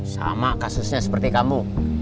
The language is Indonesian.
sama kasusnya seperti kamu